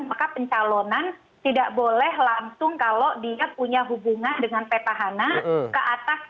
maka pencalonan tidak boleh langsung kalau dia punya hubungan dengan peta hana ke atas